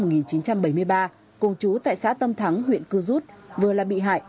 năm một nghìn chín trăm bảy mươi ba cùng chú tại xã tâm thắng huyện cư rút vừa là bị hại